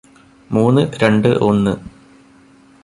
മൂന്ന് രണ്ട് ഒന്ന്